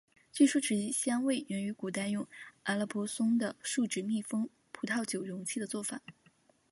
据说其香味源于古代用阿勒颇松的树脂密封葡萄酒容器的做法。